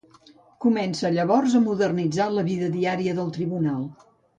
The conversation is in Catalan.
Comença llavors a modernitzar la vida diària del tribunal.